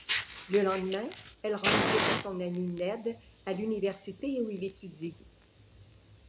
Le lendemain, elle rend visite à son amie Ned à l'université où il étudie.